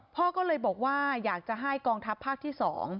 พ่อก็เลยบอกว่าอยากจะให้กองทัพภาคที่๒